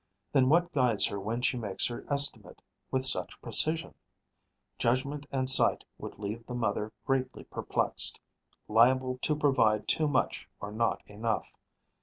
Then what guides her when she makes her estimate with such precision? Judgment and sight would leave the mother greatly perplexed, liable to provide too much or not enough.